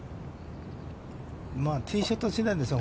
ティーショット次第でしょう。